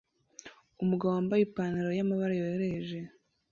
Umugabo wambaye ipantaro yamabara yoroheje